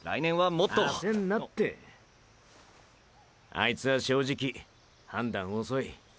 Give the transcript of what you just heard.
あいつは正直判断遅い。